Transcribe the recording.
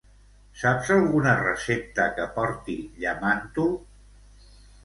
Saps alguna recepta que porti llamàntol?